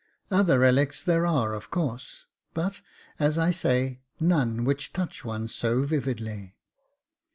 Other relics there are of course, but, as I say, none which touch one so vividly.